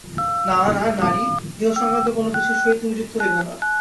না, না! নারী, দেহ-সংক্রান্ত কোন কিছুর সহিত তুমি যুক্ত হইবে না।